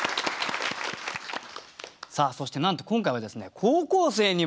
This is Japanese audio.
そしてなんと今回はですね